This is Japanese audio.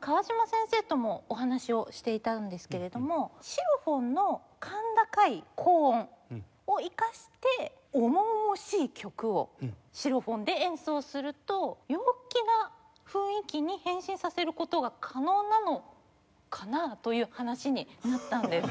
川島先生ともお話をしていたんですけれどもシロフォンの甲高い高音を生かして重々しい曲をシロフォンで演奏すると陽気な雰囲気に変身させる事が可能なのかな？という話になったんです。